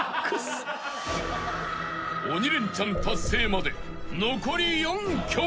［鬼レンチャン達成まで残り４曲］